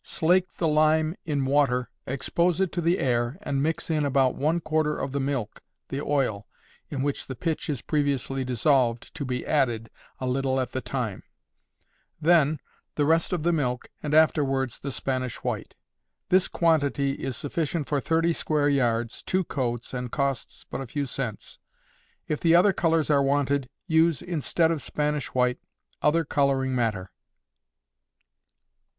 Slake the lime in water, expose it to the air, and mix in about one quarter of the milk, the oil, in which the pitch is previously dissolved, to be added, a little at the time; then the rest of the milk, and afterwards the Spanish white. This quantity is sufficient for thirty square yards, two coats, and costs but a few cents. If the other colors are wanted, use, instead of Spanish white, other coloring matter.